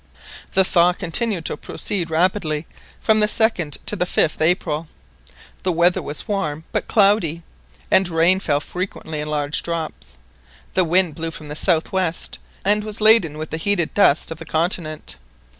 The thaw continued to proceed rapidly from the 2nd to the 5th April. The weather was warm but cloudy, and rain fell frequently in large drops. The wind blew from the south west, and was laden with the heated dust of the continent.